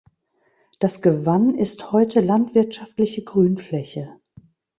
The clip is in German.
Das Gewann ist heute landwirtschaftliche Grünfläche.